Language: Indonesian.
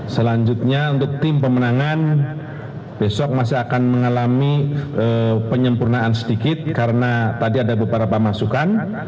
selanjutnya untuk tim pemenangan besok masih akan mengalami penyempurnaan sedikit karena tadi ada beberapa masukan